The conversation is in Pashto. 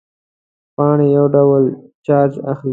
پاڼې یو ډول چارج اخلي.